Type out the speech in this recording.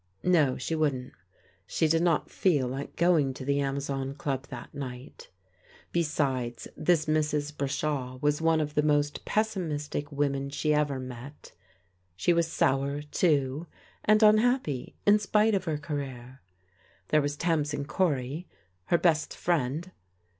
No, she wouldn't. She did not feel like going to the Amazon Club that night. Besides, this Mrs. Brashaw was one of the most pessimistic women she ever met. She was sour, too, and unhappy in spite of her career. There was Tamsin Cory, her best friend.